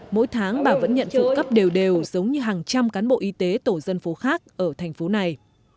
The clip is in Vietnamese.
mỗi tháng bà vẫn nhận phụ cấp đều đều giống như hàng trăm cán bộ y tế tổ dân phố khác ở thành phố này